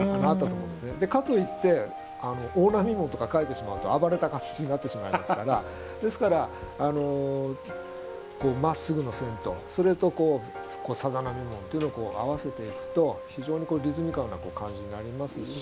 かといって「大波紋」とか描いてしまうと暴れた感じになってしまいますからですからこうまっすぐの線とそれとこうさざ波紋っていうのを合わせていくと非常にリズミカルな感じになりますし。